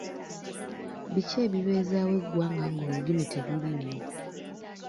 Biki ebibeezaawo eggwanga ng’olulimi teruliiwo